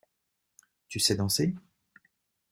Tu sais danser?